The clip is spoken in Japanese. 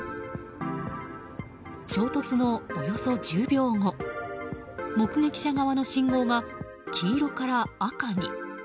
衝突のおよそ１０秒後目撃者側の信号が黄色から赤に。